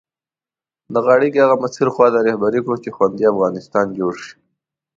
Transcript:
دغه اړیکي هغه مسیر خواته رهبري کړو چې خوندي افغانستان جوړ شي.